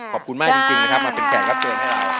ขอบคุณมากจริงนะครับมาเป็นแขกรับเชิญให้เรา